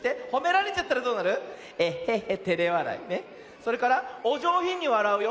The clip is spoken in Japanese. それからおじょうひんにわらうよ。